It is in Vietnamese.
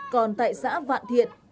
còn tại xã vạn thiện